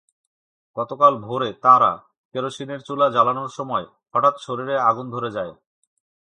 গতকাল ভোরে তাঁরা কেরোসিনের চুলা জ্বালানোর সময় হঠাৎ শরীরে আগুন ধরে যায়।